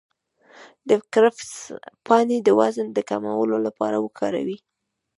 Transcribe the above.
د کرفس پاڼې د وزن د کمولو لپاره وکاروئ